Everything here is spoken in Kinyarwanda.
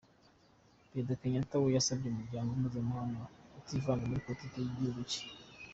Perezida Kenyatta we yasabye Umuryango mpuzamahanga kutivanga muri politiki y’igihugu cye.